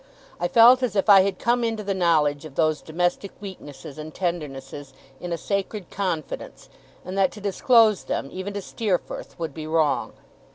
I felt as if I had come into the knowledge of those domestic weaknesses and tendernesses in a sacred confidence, and that to disclose them, even to Steerforth, would be wrong.